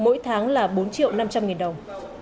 mỗi tháng là bốn triệu năm trăm linh nghìn đồng